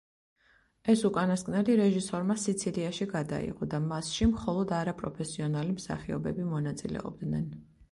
ეს უკანასკნელი რეჟისორმა სიცილიაში გადაიღო და მასში მხოლოდ არაპროფესიონალი მსახიობები მონაწილეობდნენ.